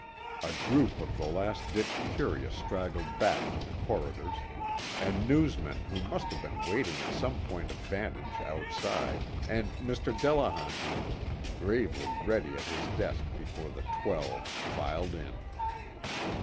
A group of the last ditch curious straggled back from the corridors, and newsmen who must have been waiting at some point of vantage outside, and Mr. Delehanty gravely ready at his desk before the Twelve filed in.